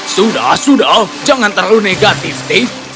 sudah sudah jangan terlalu negatif steve